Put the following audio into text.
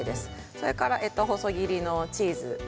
それから細切りのチーズです。